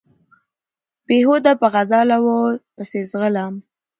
بېهوده په غزاله وو پسې ځغلم